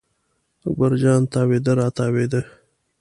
اکبر جان تاوېده را تاوېده.